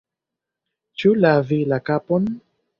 Ĉu lavi la kapon?